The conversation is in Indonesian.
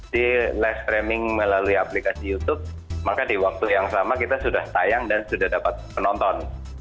jadi live streaming melalui aplikasi youtube maka di waktu yang sama kita sudah tayang dan sudah dapat penonton